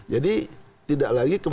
jadi tidak lagi kepada